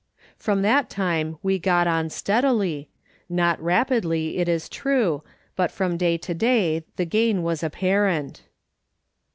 177 From that time we got on steadily ; not rapidly, it is true, but from day to day the gain was apparent.